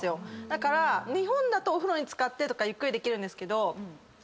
だから日本だとお風呂に漬かってとかゆっくりできるんですけど。